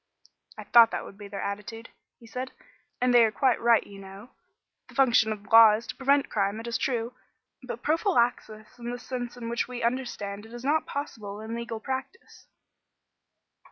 "I thought that would be their attitude," he said, "and they are quite right, you know. The function of law is to prevent crime, it is true; but prophylaxis in the sense in which we understand it is not possible in legal practice."